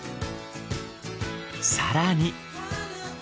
更に。